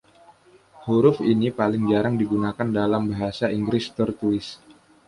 Huruf ini paling jarang digunakan dalam bahasa Inggris tertulis.